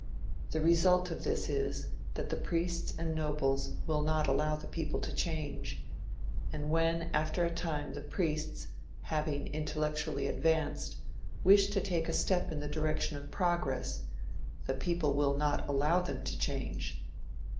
The result of this is, that the priests and nobles will not allow the people to change; and when, after a time, the priests, having intellectually advanced, wish to take a step in the direction of progress, the people will not allow them to change.